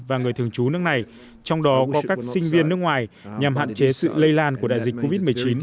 và người thường trú nước này trong đó có các sinh viên nước ngoài nhằm hạn chế sự lây lan của đại dịch covid một mươi chín